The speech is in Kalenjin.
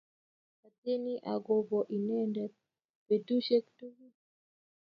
Atieni agobo inendet betushek tugul